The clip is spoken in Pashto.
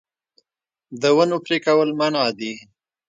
د ونو پرې کول منع دي